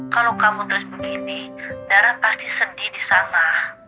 kalau kamu terus begini darah pasti sedih di sana